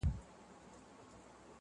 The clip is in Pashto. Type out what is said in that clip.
له ورک یوسفه تعبیرونه غوښتل-